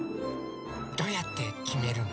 どうやってきめるの？